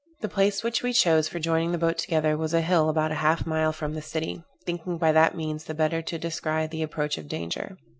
The place which we chose for joining the boat together was a hill about half a mile from the city, thinking by that means the better to descry the approach of danger.